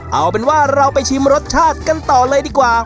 เอาเป็นว่าเราไปชิมรสชาติกันต่อเลยดีกว่า